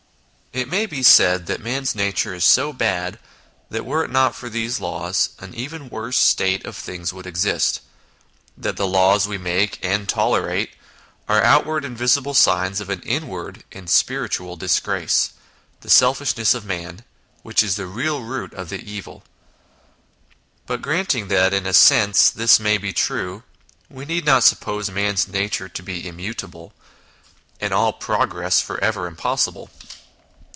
It may be said that man's nature is so bad that were it not for these laws an even worse state of things would exist ; that the laws we make and tolerate are outward and visible signs of an inward and spiritual disgrace the selfish ness of man, which is the real root of the evil. But granting that, in a sense, this may be true, we need not suppose man's nature to be im mutable, and all progress for ever impossible.